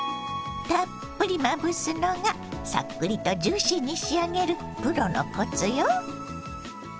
たっぷりまぶすのがさっくりとジューシーに仕上げるプロのコツよ。